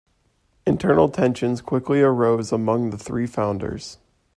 Internal tensions quickly arose among the three founders.